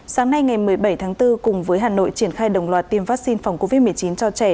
sáng nay ngày một mươi bảy tháng bốn cùng với hà nội triển khai đồng loạt tiêm vaccine phòng covid một mươi chín cho trẻ